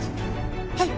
はい。